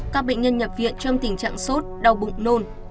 các bệnh nhân nhập viện trong tình trạng sốt đau bụng nôn